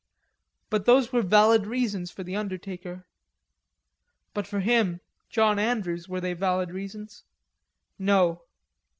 But those were valid reasons for the undertaker; but for him, John Andrews, were they valid reasons? No.